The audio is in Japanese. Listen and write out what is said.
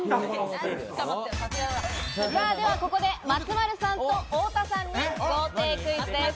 ではここで松丸さんと太田さんに豪邸クイズです。